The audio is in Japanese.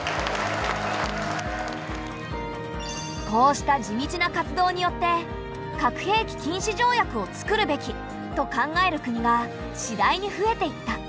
こうした地道な活動によって「核兵器禁止条約を作るべき」と考える国が次第に増えていった。